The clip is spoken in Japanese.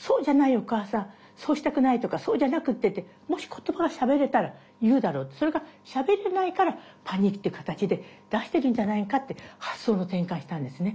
お母さんそうしたくないとかそうじゃなくってってもし言葉がしゃべれたら言うだろうとそれがしゃべれないからパニックって形で出してるんじゃないかって発想の転換したんですね。